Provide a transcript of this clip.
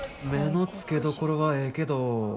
目の付けどころはええけど